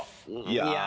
いや。